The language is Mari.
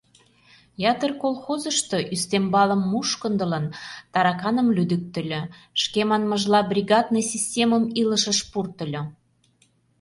Ятыр колхозышто, ӱстембалым мушкындылын, тараканым лӱдыктыльӧ, шке манмыжла, «бригадный системым илышыш пуртыльо».